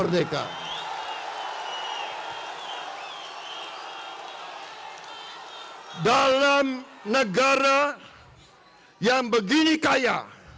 dalam negara yang begini kaya